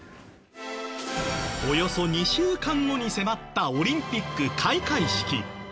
およそ２週間後に迫ったオリンピック開会式。